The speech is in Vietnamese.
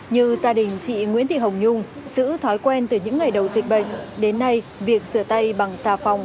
như gia đình chị nguyễn thị hồng nhung giữ thói quen từ những ngày đầu dịch bệnh đến nay việc sửa tay bằng xà phòng